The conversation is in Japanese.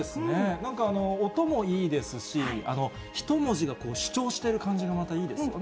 なんか音もいいですし、一文字が主張している感じがまたいいですよね。